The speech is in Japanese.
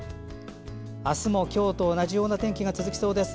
あすも今日と同じような天気が続きそうです。